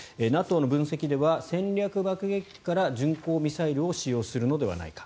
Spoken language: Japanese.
ＮＡＴＯの分析では戦略爆撃機から巡航ミサイルを使用するのではないか。